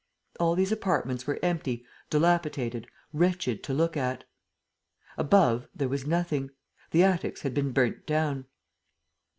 All these apartments were empty, dilapidated, wretched to look at. Above, there was nothing. The attics had been burnt down.